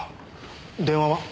電話は？